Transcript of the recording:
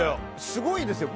すごいですよ。